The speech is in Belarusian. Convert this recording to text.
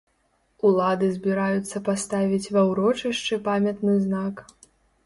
Улады збіраюцца паставіць ва ўрочышчы памятны знак.